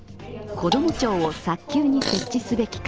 子ども庁を早急に設置すべきか。